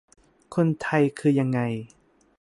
คนไทยคือยังไง